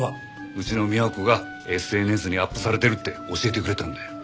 うちの美和子がＳＮＳにアップされてるって教えてくれたんだよ。